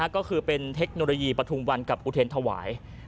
ก็คือเป็นเทคโนโลยีปฐุมวันกับอุเทรนธวาย